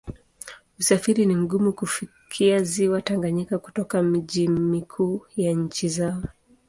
Usafiri ni mgumu kufikia Ziwa Tanganyika kutoka miji mikuu ya nchi zao.